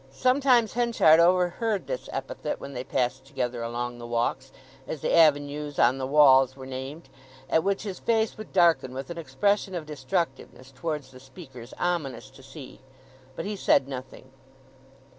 Sometimes Henchard overheard this epithet when they passed together along the Walks—as the avenues on the walls were named—at which his face would darken with an expression of destructiveness towards the speakers ominous to see; but he said nothing.